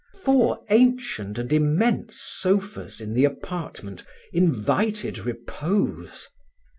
Four ancient and immense sofas in the apartment invited repose.